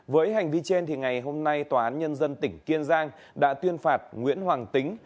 với hành vi trên ngày hôm nay tòa án nhân dân tỉnh kiên giang đã tuyên phạt nguyễn hoàng tính